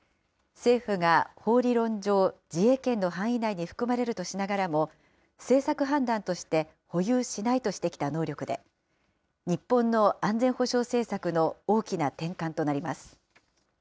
政府が法理論上、自衛権の範囲内に含まれるとしながらも、政策判断として保有しないとしてきた能力で、日本の安全保障政策の大きな転換となります。